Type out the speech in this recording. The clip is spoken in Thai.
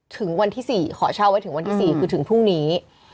ถึงวันที่๔ขอเช่าไว้ถึงวันที่๔คือถึงพรุ่งนี้